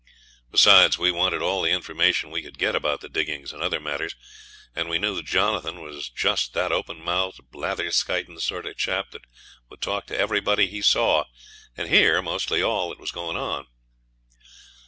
Besides, we wanted all the information we could get about the diggings and other matters, and we knew Jonathan was just that open mouthed, blatherskitin' sort of chap that would talk to everybody he saw, and hear mostly all that was going on.